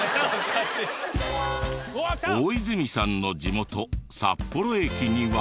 大泉さんの地元札幌駅には。